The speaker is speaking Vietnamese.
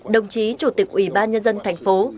đồng chí chủ tịch ủy ban nhân dân thành phố